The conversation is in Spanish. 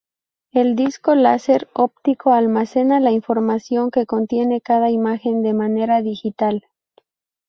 El disco láser óptico almacena la información que contiene cada imagen de manera digital.